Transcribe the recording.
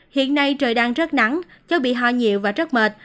hiện nay trời đang rất nắng chất bị ho nhiều và rất mệt